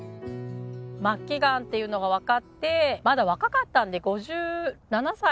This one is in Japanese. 末期がんっていうのがわかってまだ若かったんで５７歳。